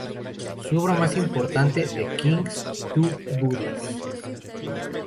Su obra más importante, "The King's Two Bodies.